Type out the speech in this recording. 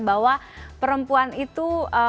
bahwa perempuan itu